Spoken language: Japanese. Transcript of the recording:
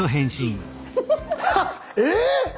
えっ⁉